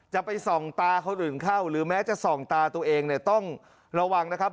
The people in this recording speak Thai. จะไปส่องตาคนอื่นเข้าหรือแม้จะส่องตาตัวเองเนี่ยต้องระวังนะครับ